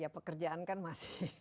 ya pekerjaan kan masih